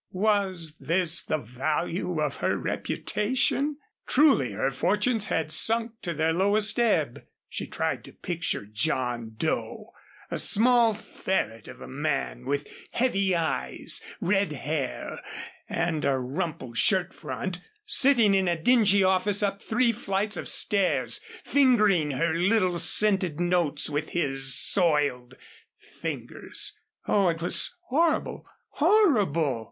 Was this the value of her reputation? Truly her fortunes had sunk to their lowest ebb. She tried to picture John Doe, a small ferret of a man with heavy eyes, red hair, and a rumpled shirt front, sitting in a dingy office up three flights of stairs, fingering her little scented notes with his soiled fingers. Oh, it was horrible horrible!